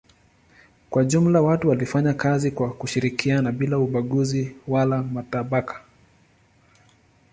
Kwa jumla watu walifanya kazi kwa kushirikiana bila ubaguzi wala matabaka.